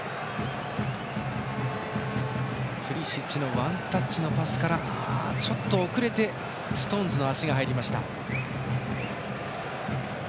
プリシッチのワンタッチのパスからちょっと遅れてストーンズの足が入りました。